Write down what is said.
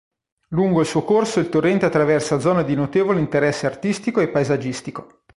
Lungo il suo corso il torrente attraversa zone di notevole interesse artistico e paesaggistico.